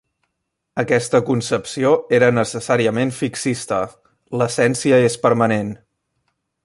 Aquesta concepció era necessàriament fixista, l'essència és permanent.